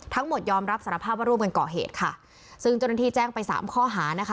ทั้งหมดยอมรับสารภาพว่าร่วมกันเกาะเหตุค่ะซึ่งจนทีแจ้งไปสามข้อหานะคะ